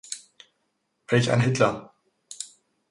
Welch ein Hitler?